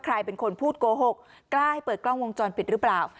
ใครเป็นคนพูดโกหกกล้าให้เปิดกล้องวงจรปิดหรือเปล่า